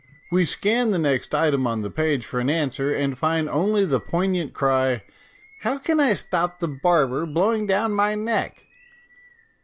We scan the next item on the page for an answer, and find only the poignant cry, " How can I stop the barber blowing down my neck?"